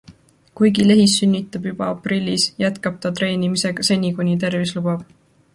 Kuigi Lehis sünnitab juba aprillis, jätkab ta treenimisega seni, kuni tervis lubab.